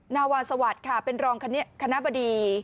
นาวาสวัสดิ์ค่ะเป็นรองคณะบดี